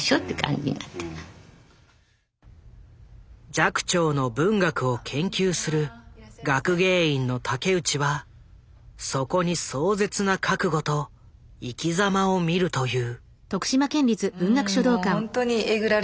寂聴の文学を研究する学芸員の竹内はそこに壮絶な覚悟と生きざまを見ると言う。